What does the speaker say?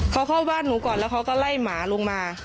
เขาเข้าบ้านหนูก่อนแล้วเขาก็ไล่หมาลงมา